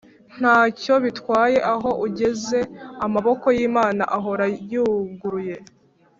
ntacyo bitwaye aho ugezeamaboko y'imana ahora yuguruye